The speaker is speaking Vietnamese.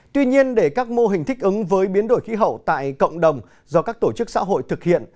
tuy nhiên để các mô hình thích ứng với biến đổi khí hậu tại cộng đồng do các tổ chức xã hội thực hiện